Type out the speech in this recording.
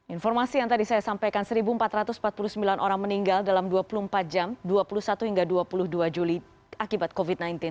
informasi yang tadi saya sampaikan satu empat ratus empat puluh sembilan orang meninggal dalam dua puluh empat jam dua puluh satu hingga dua puluh dua juli akibat covid sembilan belas